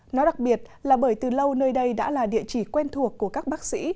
nó đặc biệt là bởi từ lâu nơi đây đã là địa chỉ quen thuộc của các bác sĩ